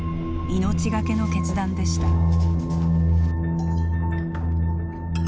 命懸けの決断でした。